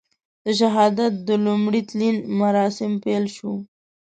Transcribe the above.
د شهادت د لومړي تلین مراسم پیل وو.